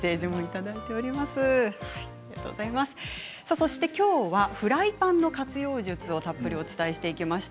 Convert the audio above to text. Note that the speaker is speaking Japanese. そして、きょうはフライパンの活用術をたっぷりお伝えしてきました。